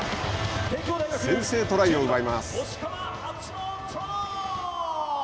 先制トライを奪います。